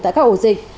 tại các ổ dịch